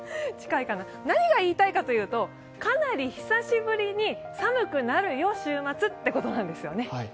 何が言いたいかというと、かなり週末寒くなるよということなんですね。